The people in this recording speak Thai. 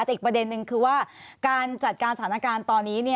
แต่อีกประเด็นนึงคือว่าการจัดการสถานการณ์ตอนนี้